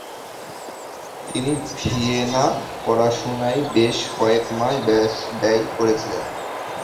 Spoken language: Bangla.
তিনি ভিয়েনা পড়াশুনায় বেশ কয়েক মাস ব্যয় করেছিলেন।